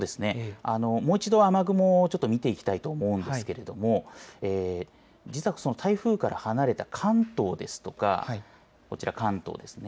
もう一度、雨雲見ていきたいと思うんですけれども実はその、台風から離れた関東ですとかこちら関東ですね